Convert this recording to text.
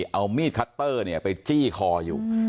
เอามีดคัตเตอร์ไปจี้คออยู่